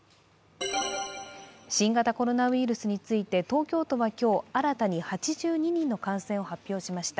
新型コロナウイルスについて東京都は今日、新たに８２人の感染を発表しました。